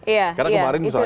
iya itu yang menarik